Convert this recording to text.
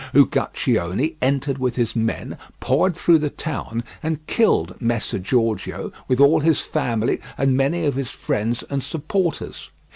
Uguccione entered with his men, poured through the town, and killed Messer Giorgio with all his family and many of his friends and supporters.